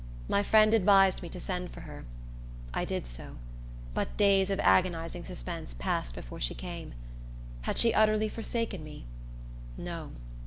My friend advised me to send for her. I did so; but days of agonizing suspense passed before she came. Had she utterly forsaken me? No.